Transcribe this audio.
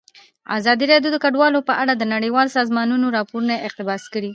ازادي راډیو د کډوال په اړه د نړیوالو سازمانونو راپورونه اقتباس کړي.